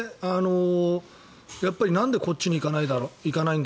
やっぱり、なんでこっちに行かないんだろうと。